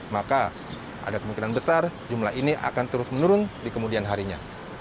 maka ada kemungkinan besar jumlah ini akan terus menurun di kemudian harinya